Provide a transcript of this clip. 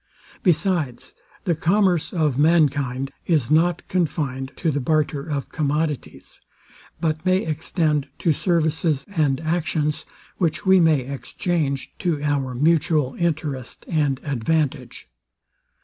Besides, the commerce of mankind is not confined to the barter of commodities, but may extend to services and actions, which we may exchange to our mutual interest and advantage.